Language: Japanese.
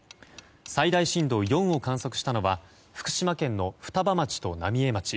最大震度４を観測したのは福島県の双葉町と浪江町。